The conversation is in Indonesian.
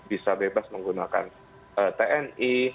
bisa bebas menggunakan tni